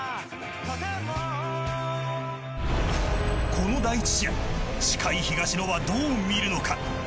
この第１試合司会、東野はどう見るのか。